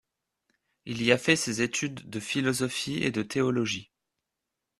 Il y a fait ses études de philosophie et de théologie.